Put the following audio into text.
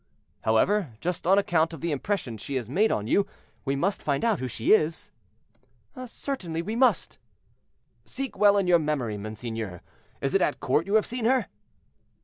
"However, just on account of the impression she has made on you, we must find out who she is." "Certainly we must." "Seek well in your memory, monseigneur; is it at court you have seen her?"